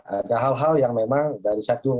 ada hal hal yang memang dari satu